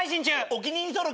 お気に入り登録。